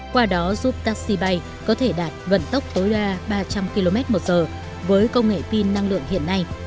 qua đó giúp taxi bay có thể đạt vận tốc tối đa ba trăm linh km một giờ với công nghệ pin năng lượng hiện nay